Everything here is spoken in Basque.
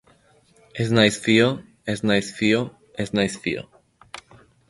Ez naiz fio, ez naiz fio, ez naiz fio.